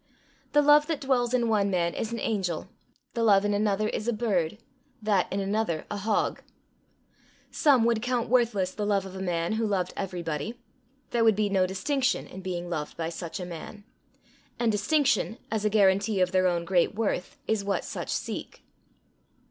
The love that dwells in one man is an angel, the love in another is a bird, that in another a hog. Some would count worthless the love of a man who loved everybody. There would be no distinction in being loved by such a man! and distinction, as a guarantee of their own great worth, is what such seek.